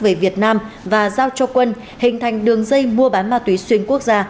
về việt nam và giao cho quân hình thành đường dây mua bán ma túy xuyên quốc gia